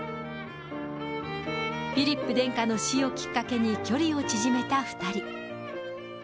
フィリップ殿下の死をきっかけに、距離を縮めた２人。